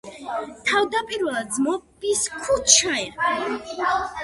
თავდაპირველად ძმობის ქუჩა ერქვა.